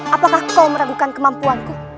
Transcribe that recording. apakah kau meragukan kemampuanku